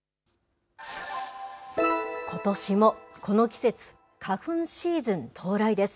ことしもこの季節、花粉シーズン到来です。